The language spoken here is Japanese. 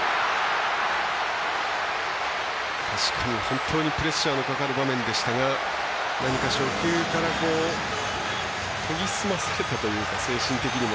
確かに本当にプレッシャーのかかる場面でしたが何か初球から研ぎ澄ますというか、精神的にも。